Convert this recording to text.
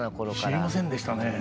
知りませんでしたね。